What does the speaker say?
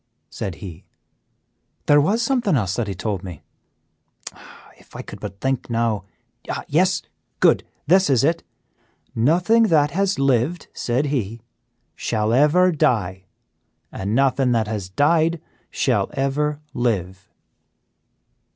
said he, "there was something else that he told me. Tschk! If I could but think now. Yes, good! This is it 'Nothing that has lived,' said he, 'shall ever die, and nothing that has died shall ever live.